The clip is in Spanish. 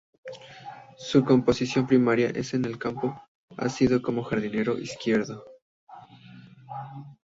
Su posición primaria en el campo ha sido como jardinero izquierdo.